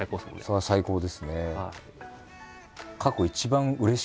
それは最高ですね。